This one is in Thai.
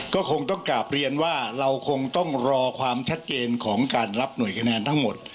ก็คงต้องกลับเรียนว่าเราคงต้องรอความชัดเจนของการรับหน่วยคะแนนทั้งหมด